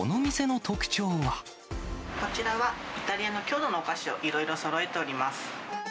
こちらはイタリアの郷土のお菓子をいろいろそろえております。